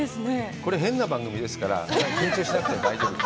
これ、変な番組ですから、緊張しなくて大丈夫です。